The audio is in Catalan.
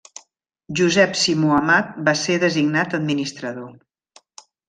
Josep Simó Amat va ser designat administrador.